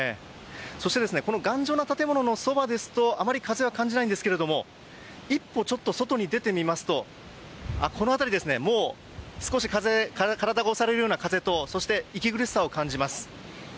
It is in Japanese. そしてこの頑丈な建物のそばですとあまり風は感じないんですが一歩ちょっと外に出てみますとこの辺り、もう少し風で体が押されるような感じと息苦しさを感じます。